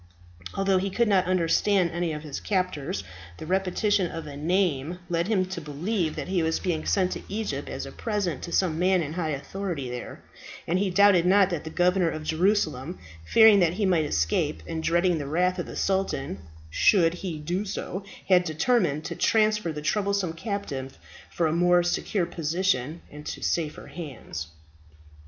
Although he could not understand any of his captors, the repetition of a name led him to believe that he was being sent to Egypt as a present to some man in high authority there; and he doubted not that the Governor of Jerusalem, fearing that he might escape, and dreading the wrath of the sultan, should he do so, had determined to transfer the troublesome captive to a more secure position and to safer hands.